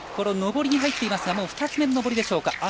上りに入っていますが２つ目の上りでしょうか。